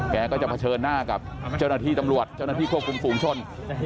แกก็จะเผชิญหน้ากับเจ้าหน้าที่ตำรวจเจ้าหน้าที่ควบคุมฝูงชน